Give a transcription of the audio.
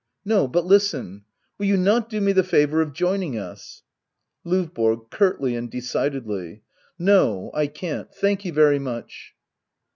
No, but listen — will you not do me the favour of joining us? L5VBORO. [CuHfy and decidedly.] No, I can't — thank you very much.